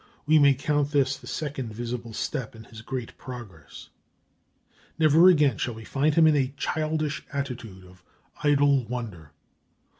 We may count this the second visible step in his great progress. Never again shall we find him in a childish attitude of idle wonder.